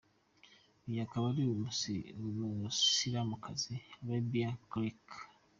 Uyu akaba ari umusilamukazi Rabia Clarke.